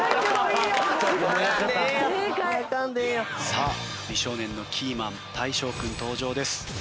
さあ美少年のキーマン大昇君登場です。